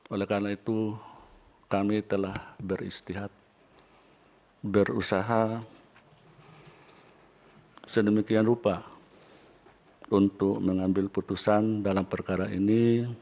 oleh karena itu kami telah beristihad berusaha sedemikian rupa untuk mengambil putusan dalam perkara ini